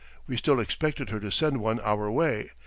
We still expected her to send one our way.